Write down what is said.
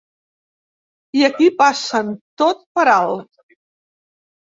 I aquí passen tot per alt.